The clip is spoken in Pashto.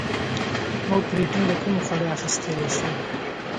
موږ پروټین له کومو خوړو اخیستلی شو